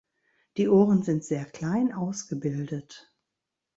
Die Ohren sind sehr klein ausgebildet.